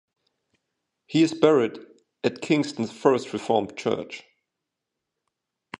He is buried at Kingston's First Reformed Church.